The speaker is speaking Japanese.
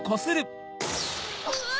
うわ！